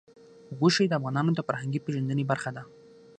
غوښې د افغانانو د فرهنګي پیژندنې برخه ده.